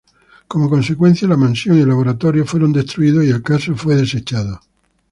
Como consecuencia, la mansión y el laboratorio fueron destruidos, y el caso fue desechado.